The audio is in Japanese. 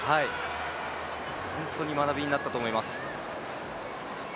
本当に学びになったと思います。